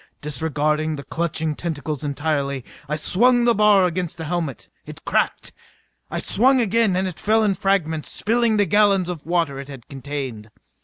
Disregarding the clutching tentacles entirely, I swung the bar against the helmet. It cracked. I swung again and it fell in fragments, spilling the gallons of water it had contained.